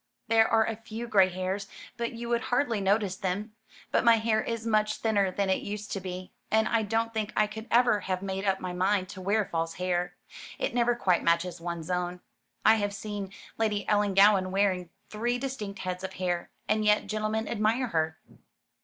"There are a few gray hairs, but you would hardly notice them; but my hair is much thinner than it used to be, and I don't think I could ever have made up my mind to wear false hair. It never quite matches one's own. I have seen Lady Ellangowan wearing three distinct heads of hair; and yet gentlemen admire her."